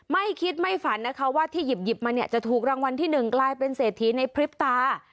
ไม่คิดไม่ฝันนะคะว่าที่หยิบมาเนี่ยจะถูกรางวัลที่๑กลายเป็นเศรษฐีในพริบตา